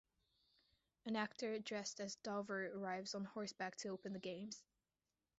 An actor dressed as Dover arrives on horseback to open the games.